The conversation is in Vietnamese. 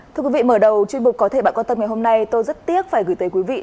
thưa quý vị mở đầu chuyên mục có thể bạn quan tâm ngày hôm nay tôi rất tiếc phải gửi tới quý vị